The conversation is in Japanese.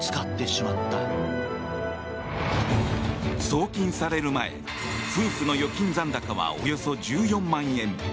送金される前夫婦の預金残高はおよそ１４万円。